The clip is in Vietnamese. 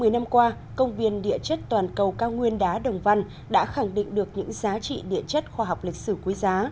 một mươi năm qua công viên địa chất toàn cầu cao nguyên đá đồng văn đã khẳng định được những giá trị địa chất khoa học lịch sử quý giá